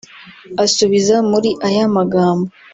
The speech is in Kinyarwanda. asubiza muri aya magambo